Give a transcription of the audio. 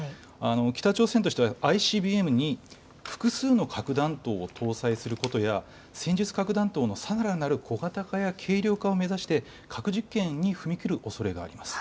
北朝鮮としてはＩＣＢＭに複数の核弾頭を搭載することや戦術核弾頭のさらなる小型化や軽量化を目指して核実験に踏み切るおそれがあります。